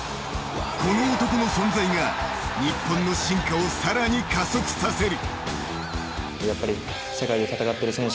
この男の存在が日本の進化をさらに加速させる。